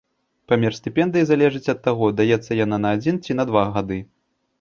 Памер стыпендыі залежыць ад таго, даецца яна на адзін ці на два гады.